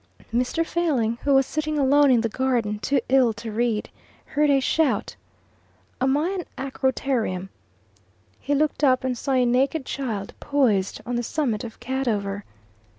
Mr. Failing, who was sitting alone in the garden too ill to read, heard a shout, "Am I an acroterium?" He looked up and saw a naked child poised on the summit of Cadover.